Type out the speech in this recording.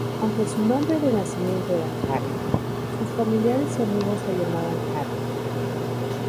Aunque su nombre de nacimiento era Karen, sus familiares y amigos la llamaban Kathy.